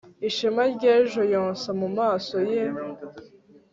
ishema ry'ejo yonsa mumaso ye